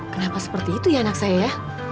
kenapa seperti itu ya anak saya ya